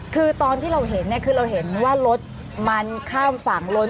คือตอนที่เราเห็นเนี่ยคือเราเห็นว่ารถมันข้ามฝั่งล้น